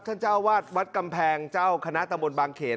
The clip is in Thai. เจ้าวาดวัดกำแพงเจ้าคณะตะบนบางเขน